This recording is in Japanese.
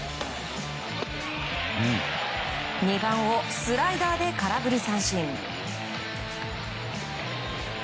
２番をスライダーで空振り三振。